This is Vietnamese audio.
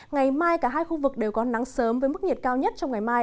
ngày mai cả hai khu vực đều có nắng sớm với mức nhiệt cao nhất trong ngày mai